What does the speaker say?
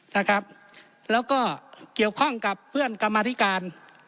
นะครับแล้วก็เกี่ยวข้องกับเพื่อนกรรมาธิการ